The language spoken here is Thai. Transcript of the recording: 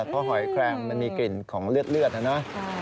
เพราะหอยแครงมันมีกลิ่นของเลือดนะนะ